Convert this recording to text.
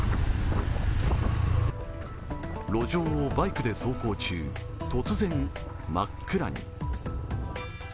路上をバイクで走行中、突然真っ暗に。